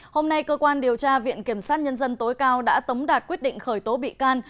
hôm nay cơ quan điều tra viện kiểm sát nhân dân tối cao đã tống đạt quyết định khởi tố bị can